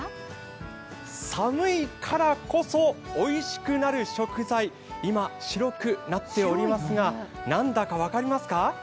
寒いからこそおいしくなる食材、今、白くなっておりますが何だか分かりますか？